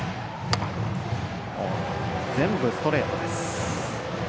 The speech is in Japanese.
全部ストレートです。